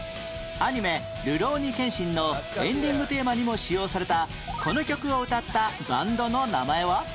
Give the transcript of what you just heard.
アニメ『るろうに剣心』のエンディングテーマにも使用されたこの曲を歌ったバンドの名前は？